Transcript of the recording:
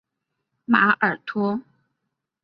马尔托。